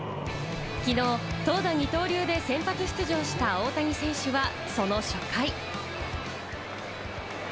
昨日、投打二刀流で先発出場した大谷選手はその初回。